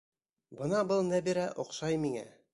Бына был Нәбирә оҡшай миңә!